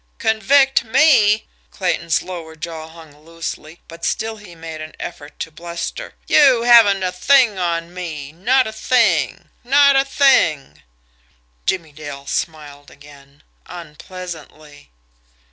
"Convict ME!" Clayton's lower jaw hung loosely; but still he made an effort at bluster. "You haven't a thing on me not a thing not a thing." Jimmie Dale smiled again unpleasantly.